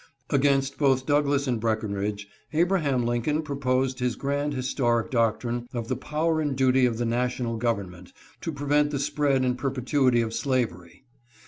Against both Douglas and Breckenridge Abraham Lincoln proposed his grand historic doctrine of the power and duty of the National Government to prevent the spread and perpetuity of slavery.